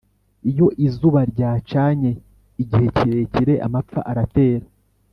iyo izuba ryacanye igihe kirekire amapfa aratera